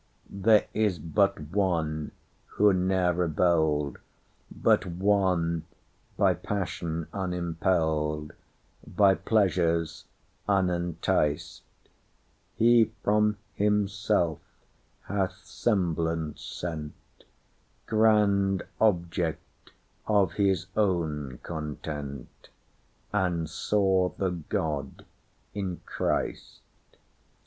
There is but One who ne'er rebelled, But One by passion unimpelled, By pleasures unenticed; He from himself hath semblance sent, Grand object of his own content, And saw the God in Christ.